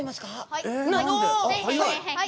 はい。